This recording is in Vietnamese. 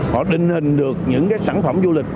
họ định hình được những sản phẩm du lịch